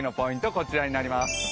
こちらになります。